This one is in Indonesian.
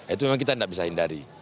itu memang kita tidak bisa hindari